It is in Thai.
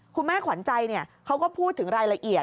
ขวัญใจเขาก็พูดถึงรายละเอียด